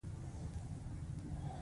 له خسو نه یې یوه برخه جومات ته بېله کړه.